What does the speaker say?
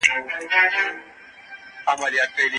آیا تر واده وروسته د دوی شخصي ژوند نورمال وي؟